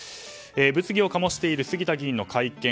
物議を醸している杉田議員の会見。